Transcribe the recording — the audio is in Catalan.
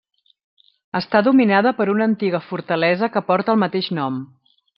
Està dominada per una antiga fortalesa que porta el mateix nom.